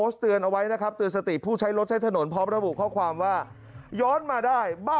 ส่วนโลกที่ไหนอะน่ะ